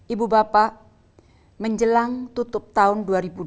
ibu bapak menjelang tutup tahun dua ribu dua puluh